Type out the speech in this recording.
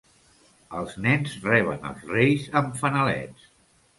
Els nens reben els reis amb fanalets.